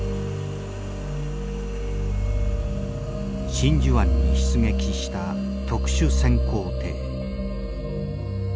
真珠湾に出撃した特殊潜航艇。